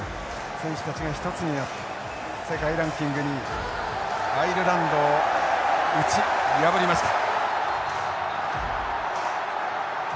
選手たちが一つになって世界ランキング２位アイルランドを打ち破りました。